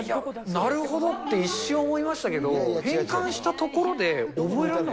なるほどって、一瞬思いましたけど、変換したところで、覚えらんない。